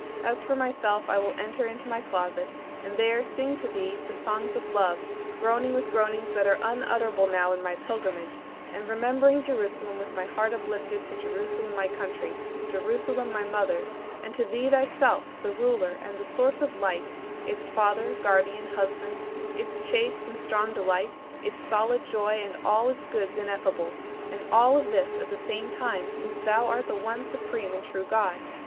As for myself I will enter into my closet and there sing to thee the songs of love, groaning with groanings that are unutterable now in my pilgrimage, and remembering Jerusalem with my heart uplifted to Jerusalem my country, Jerusalem my mother; and to thee thyself, the Ruler of the source of Light, its Father, Guardian, Husband; its chaste and strong delight, its solid joy and all its goods ineffable and all of this at the same time, since thou art the one supreme and true Good!